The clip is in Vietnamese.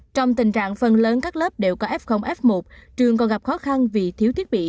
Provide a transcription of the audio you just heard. trong tình trạng phần lớn các lớp đều có f f một trường còn gặp khó khăn vì thiếu thiết bị